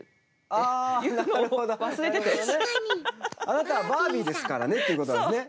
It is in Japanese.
あなたはバービーですからねっていうことなんですね。